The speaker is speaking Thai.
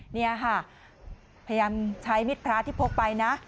นี่ค่ะพยายามใช้มิดพระที่พกไปนะ